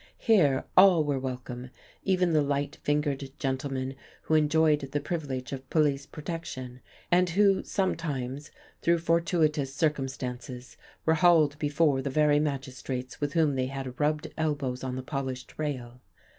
Here all were welcome, even the light fingered gentlemen who enjoyed the privilege of police protection; and who sometimes, through fortuitous circumstances, were hauled before the very magistrates with whom they had rubbed elbows on the polished rail.